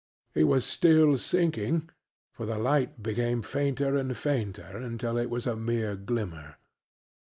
He was still sinking, for the light became fainter and fainter until it was a mere glimmer.